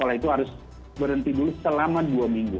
sekolah itu harus berhenti dulu selama dua minggu